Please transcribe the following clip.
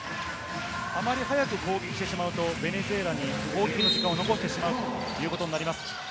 あまり早く攻撃してしまうとベネズエラに攻撃の時間を残してしまうということになります。